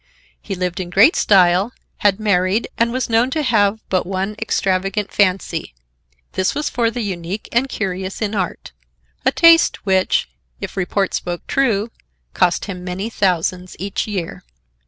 He lived in great style, had married and was known to have but one extravagant fancy. This was for the unique and curious in art,—a taste which, if report spoke true, cost him many thousands each year.